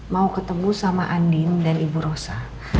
mau ketemu sama andin dan ibu rosa